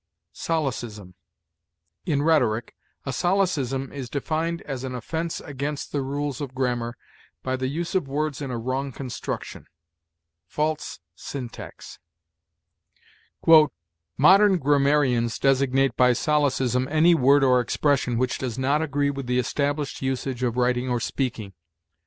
SOLECISM. In rhetoric, a solecism is defined as an offense against the rules of grammar by the use of words in a wrong construction; false syntax. "Modern grammarians designate by solecism any word or expression which does not agree with the established usage of writing or speaking.